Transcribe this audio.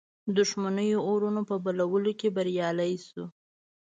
دښمنیو اورونو په بلولو کې بریالی سو.